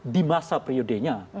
di masa priodenya